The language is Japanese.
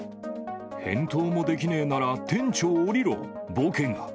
返答もできねーなら店長おりろ、ぼけが。